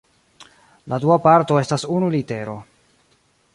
La dua parto estas unu litero.